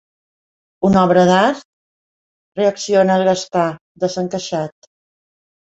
Una obra d'art? —reacciona el Gaspar, desencaixat.